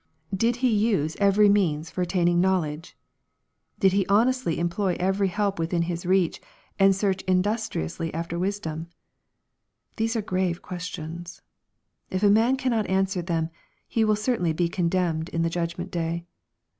Did he use every means for attaining knowledge ? Did he honestly employ every help within his reach, and search industriously after wisdom ? These are grave questions. If a man cannot answer them, he will cer tainly be condemned in the judgment day.